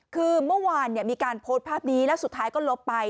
คือเมื่อวานมีการโพสต์ภาพนี้แล้วสุดท้ายก็ลบไป